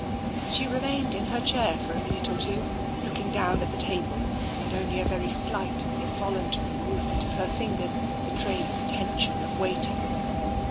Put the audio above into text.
She remained in her chair for a minute or two, looking down at the table, and only a very slight, in voluntary movement of her fingers betrayed the ten sion of waiting.